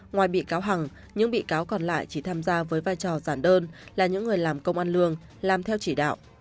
ngoài bị cáo hằng những bị cáo còn lại chỉ tham gia với vai trò giản đơn là những người làm công an lương làm theo chỉ đạo